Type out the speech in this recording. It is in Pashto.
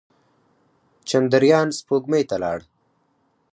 چندریان سپوږمۍ ته لاړ.